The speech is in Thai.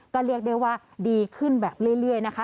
ก็เรียกได้ว่าดีขึ้นแบบเรื่อยนะคะ